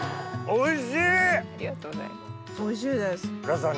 おいしい。